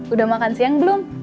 udah makan siang belum